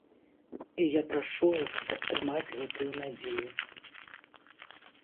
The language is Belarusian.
І я прашу вас падтрымаць гэтую надзею.